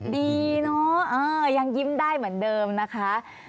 ดีเนอะยังยิ้มได้เหมือนเดิมนะคะ